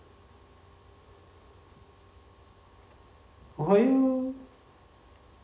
おはよう。